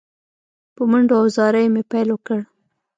په منډو او زاریو مې پیل وکړ.